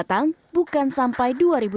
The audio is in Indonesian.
datang bukan sampai dua ribu sembilan belas